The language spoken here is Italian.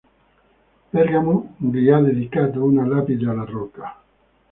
Bergamo gli ha dedicato una lapide alla rocca.